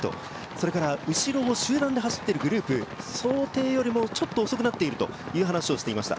それから後ろの集団で走っているグループ、想定よりもちょっと遅くなっているという話をしていました。